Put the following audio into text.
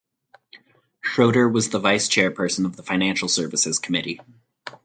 Schroeder was the Vice chairperson of the Financial Services Committee.